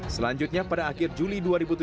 selanjutnya pada akhir juli dua ribu tujuh belas